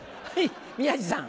宮治さん。